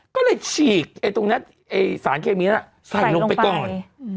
ก็เลยฉีกไอตรงนั้นไอสารเคมีน่ะใส่ลงไปกล้อง